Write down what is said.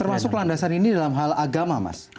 termasuk landasan ini dalam hal agama mas